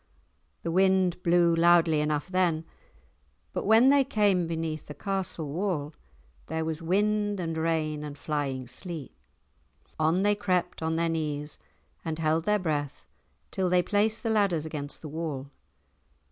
The wind blew loudly enough then, but when they came beneath the castle wall there was wind and rain and flying sleet. On they crept on their knees and held their breath till they placed the ladders against the wall.